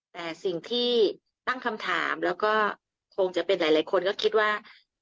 แต่สิ่งที่ตั้งคำถามแล้วก็คงจะเป็นหลายคนก็คิดว่า